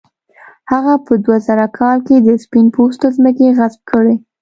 هغه په دوه زره کال کې د سپین پوستو ځمکې غصب کړې.